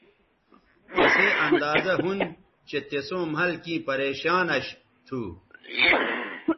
تسئ اندازہ ھُون چہء تِسوں مھل کیں پریشان اش تھو